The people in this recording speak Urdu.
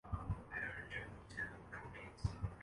شاید ہمارے پاکستان میں